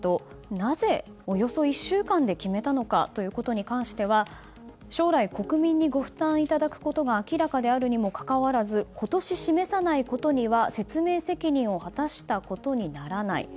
なぜ、およそ１週間で決めたのかということに関しては将来、国民にご負担いただくことが明らかにもかかわらず今年、示さないことは説明責任を果たしたことにならない。